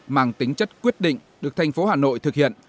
mang tính chất quyết định được thành phố hà nội thực hiện